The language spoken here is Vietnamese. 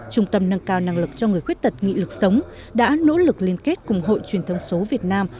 trung tâm nâng cao năng lực cho người khuyết tật nghị lực sống đã nỗ lực liên kết cùng hội truyền thông số việt nam